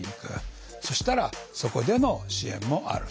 そしたらそこでの支援もあると。